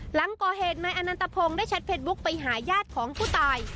หลังก่อเหตุนายอนันตพงศ์ได้แชทเพชรบุ๊กไปหาญาติของผู้ตาย